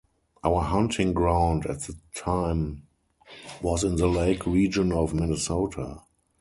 Our hunting ground at that time was in the lake region of Minnesota.